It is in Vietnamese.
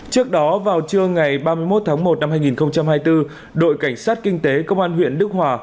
trước đó vào trưa ngày ba mươi một tháng một năm hai nghìn hai mươi bốn đội cảnh sát kinh tế công an huyện đức hòa